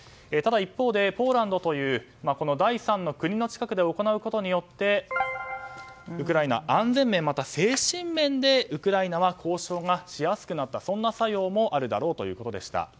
ただ、一方でポーランドという第３の国の近くで行うことによってウクライナ、安全面やまた、精神面で交渉がしやすくなったそんな作用もあるだろうということでした。